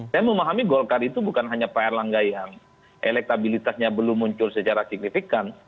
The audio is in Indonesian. saya memahami golkar itu bukan hanya pak erlangga yang elektabilitasnya belum muncul secara signifikan